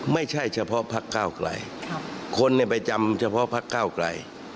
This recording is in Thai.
ไม่ใช่เฉพาะพักเก้าไกลคนไปจำเฉพาะพักเก้าไกล